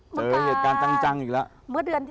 เมืองกาลเหตุการณ์จังอีกแล้ว